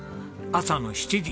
朝の７時。